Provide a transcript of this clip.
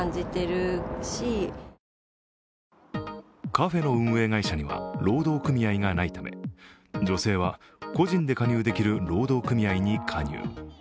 カフェの運営会社には労働組合がないため、女性は個人で加入できる労働組合に加入。